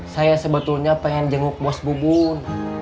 saya sebetulnya pengen jenguk bos bubun